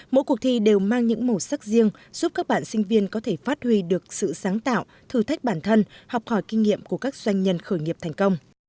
mỗi cuộc thi đều mang những màu sắc riêng giúp các bạn sinh viên có thể phát huy được sự sáng tạo thử thách bản thân học hỏi kinh nghiệm của các doanh nhân khởi nghiệp thành công